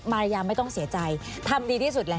มารยาไม่ต้องเสียใจทำดีที่สุดแหละ